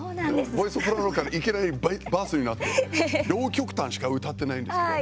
ボーイソプラノからいきなりバスになって両極端しか歌ってないんですけど。